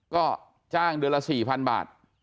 ก็จ้างเดือนละสี่พันบาท